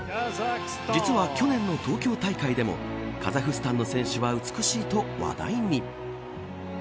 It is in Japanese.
実は、去年の東京大会でもカザフスタンの選手は美しいと話題に。